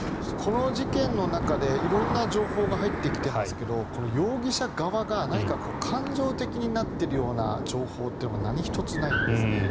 この事件の中で色んな情報が入ってきてますが容疑者側が何か感情的になっているような情報というのが何一つないんですね。